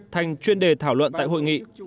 thành chuyên đề thảo luận tại hội nghị